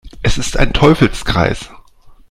Es ist ein Teufelskreis.